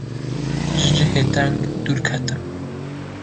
ji cihê teng dûr diketim.